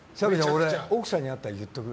俺、奥さんに会ったら言っとく。